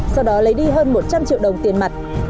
sau đó lấy đi hơn một trăm linh triệu đồng tiền mặt